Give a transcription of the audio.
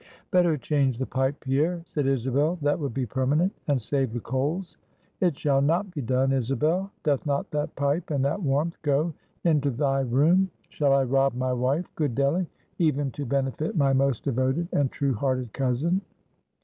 "Better change the pipe, Pierre," said Isabel, "that will be permanent, and save the coals." "It shall not be done, Isabel. Doth not that pipe and that warmth go into thy room? Shall I rob my wife, good Delly, even to benefit my most devoted and true hearted cousin?"